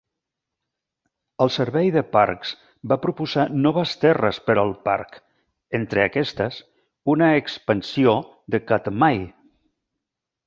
El Servei de Parcs va proposar noves terres per al parc, entre aquestes una expansió de Katmai.